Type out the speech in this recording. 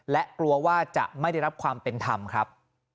และกลัวว่าจะไม่ได้รับความเป็นธรรมครับ